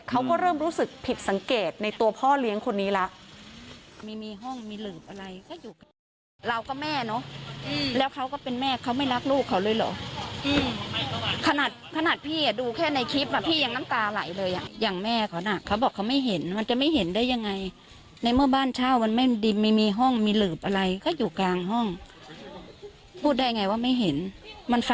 เขาก็เริ่มรู้สึกผิดสังเกตในตัวพ่อเลี้ยงคนนี้แล้ว